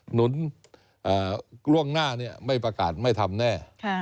หนุนล่วงหน้าไม่ประกาศไม่ทำแน่